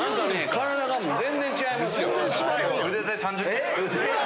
体が全然ちゃいますよ。